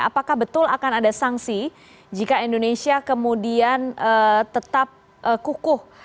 apakah betul akan ada sanksi jika indonesia kemudian tetap kukuh